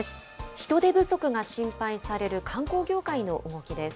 人手不足が心配される観光業界の動きです。